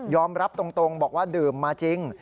รับตรงบอกว่าดื่มมาจริง